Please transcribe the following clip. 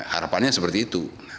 harapannya seperti itu